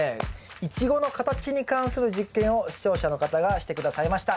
イチゴの形に関する実験を視聴者の方がして下さいました。